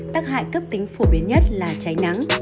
tắc hại cấp tính phổ biến nhất là cháy nắng